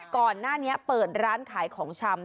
ก่อนหน้านี้เปิดร้านขายของชำ